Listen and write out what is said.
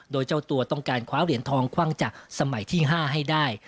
โดยเจ้าตัวต้องการคว้าเหรียญทองคว่างจากสมัยที่๕ให้ได้